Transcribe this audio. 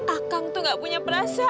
akang tuh gak punya berasa